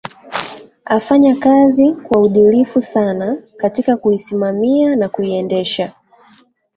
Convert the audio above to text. afanya kazi kwa udilifu sana katika kuisimamia na kuiendesha